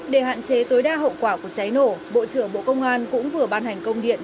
để hạn chế tối đa hậu quả của cháy nổ bộ trưởng bộ công an cũng vừa ban hành công điện